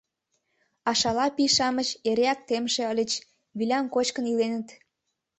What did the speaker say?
А шала пий-шамыч эреак темше ыльыч: вилям кочкын иленыт.